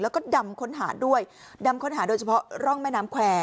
แล้วก็ดำค้นหาด้วยดำค้นหาโดยเฉพาะร่องแม่น้ำแควร์